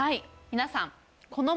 皆さん。